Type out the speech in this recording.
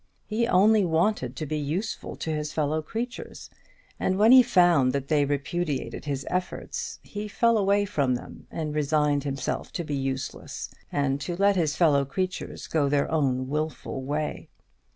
He only wanted to be useful to his fellow creatures; and when he found that they repudiated his efforts, he fell away from them, and resigned himself to be useless, and to let his fellow creatures go their own wilful way.